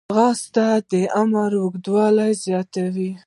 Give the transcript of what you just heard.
ځغاسته د عمر اوږدوالی زیاتوي